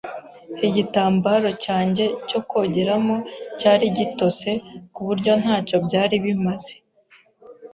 Igitambaro cyanjye cyo kogeramo cyari gitose, ku buryo ntacyo byari bimaze.